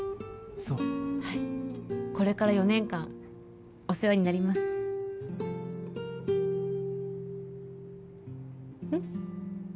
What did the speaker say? そうはいこれから４年間お世話になりますうん？